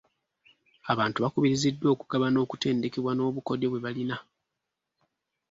Abantu bakubiriziddwa okugabana okutendekebwa n'obukodyo bwe balina.